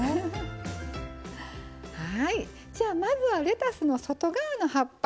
じゃあまずはレタスの外側の葉っぱ。